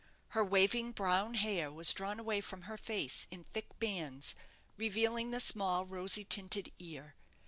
Her waving brown hair was drawn away from her face in thick bands, revealing the small, rosy tinted ear.